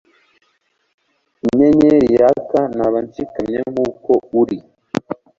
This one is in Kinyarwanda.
inyenyeri yaka, naba nshikamye nkuko uri